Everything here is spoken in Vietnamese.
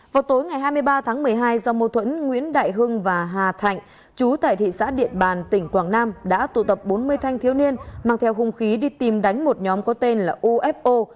vào tối ngày hai mươi ba tháng một mươi hai do mô thuẫn nguyễn đại hưng và hà thạnh chú tại thị xã điện bàn tỉnh quảng nam đã tụ tập bốn mươi thanh thiếu niên mang theo hung khí đi tìm đánh một nhóm có tên là ufo